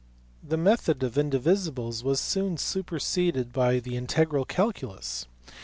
The method of indivisibles was soon superseded by the integral calculus.